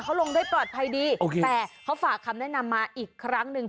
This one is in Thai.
เขาลงได้ปลอดภัยดีแต่เขาฝากคำแนะนำมาอีกครั้งหนึ่ง